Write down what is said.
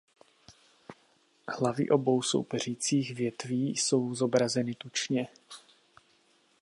Hlavy obou soupeřících větví jsou zobrazeny tučně.